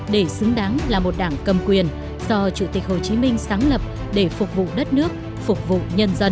để xứng đáng là một đảng cầm quyền do chủ tịch hồ chí minh sáng lập để phục vụ đất nước phục vụ nhân dân